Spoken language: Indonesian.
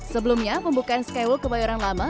sebelumnya pembukaan skywalk kebayoran lama